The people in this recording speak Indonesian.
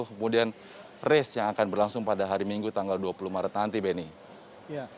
kemudian race yang akan berlangsung pada hari minggu tanggal dua puluh maret nanti benny